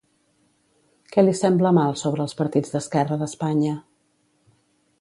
Què li sembla mal sobre els partits d'esquerra d'Espanya?